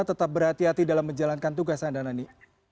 tetap berhati hati dalam menjalankan tugas anda nani